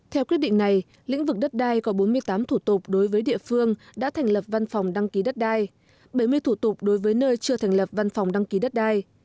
theo quyết định này lĩnh vực đất đai có bốn mươi tám thủ tục đối với địa phương đã thành lập văn phòng đăng ký đất đai bảy mươi thủ tục đối với nơi chưa thành lập văn phòng đăng ký đất đai